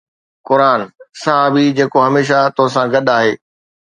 قرآن: صحابي، جيڪو هميشه توسان گڏ آهي